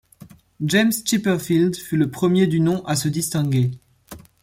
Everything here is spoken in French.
James Chipperfield fut le premier du nom à se distinguer.